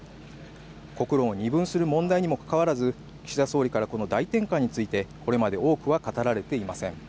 国論を二分する問題にもかかわらず岸田総理から、この大転換について、これまで多くは語られていません。